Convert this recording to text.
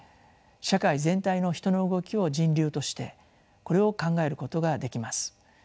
社会全体の人の動きを人流としてこれを考えることができます。